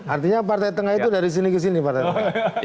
artinya partai tengah itu dari sini ke sini partai tengah